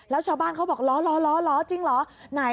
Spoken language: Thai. แล้วชาวบ้านเขาบอกล้อจริงเหรอ